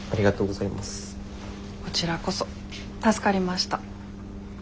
こちらこそ助かりました。